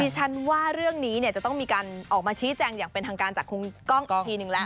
ฉันว่าเรื่องนี้จะต้องมีการออกมาชี้แจงอย่างเป็นทางการจากคุณกล้องอีกทีนึงแล้ว